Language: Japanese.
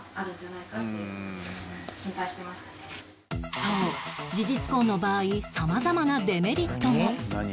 そう事実婚の場合様々なデメリットも